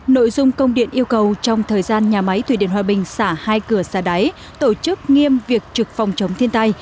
nội dung công điện yêu cầu trong thời gian nhà máy thủy điện hòa bình xả hai cửa xả đáy tổ chức nghiêm việc trực phòng chống thiên tai